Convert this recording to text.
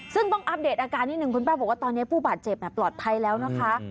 ซึ่งต้องอัปเดตอาการนิดนึงคุณป้าบอกว่าตอนนี้ผู้บาดเจ็บปลอดภัยแล้วนะคะ